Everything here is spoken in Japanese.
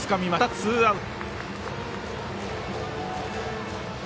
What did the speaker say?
ツーアウト。